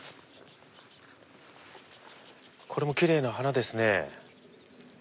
これもキレイな花ですね。